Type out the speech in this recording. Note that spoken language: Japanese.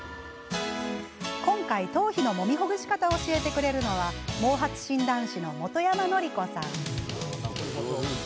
今回、頭皮のもみほぐし方を教えてくれるのは毛髪診断士の本山典子さん。